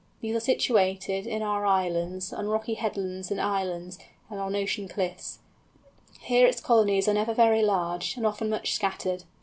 These are situated, in our islands, on rocky headlands and islands, and on ocean cliffs. Here its colonies are never very large, and often much scattered.